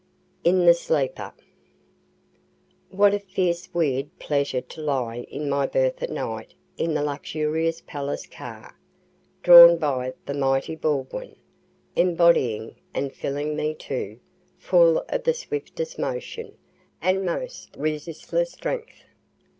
IN THE SLEEPER What a fierce weird pleasure to lie in my berth at night in the luxurious palace car, drawn by the mighty Baldwin embodying, and filling me, too, full of the swiftest motion, and most resistless strength!